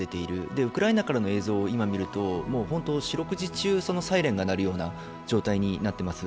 ウクライナからの映像を今見ると、四六時中サイレンが鳴るような状態になっています。